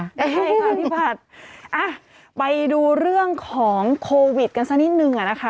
ใช่ค่ะพี่ผัดไปดูเรื่องของโควิดกันสักนิดนึงอะนะคะ